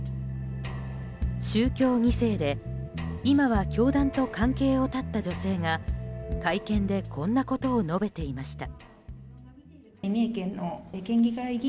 宗教２世で今は教団と関係を絶った女性が会見でこんなことを述べていました。